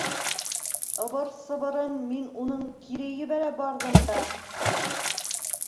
- Ыбыр-сыбырын мин уның кире ебәрә барҙым да...